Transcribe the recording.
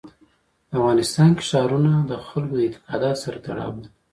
په افغانستان کې ښارونه د خلکو د اعتقاداتو سره تړاو لري.